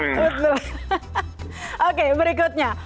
hahaha oke berikutnya